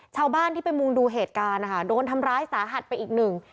ชาวบ้านที่ไปมุงดูเหตุการณ์นะคะโดนทำร้ายสาหัสไปอีกหนึ่ง